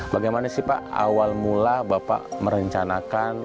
bagaimana sih pak awal mula bapak merencanakan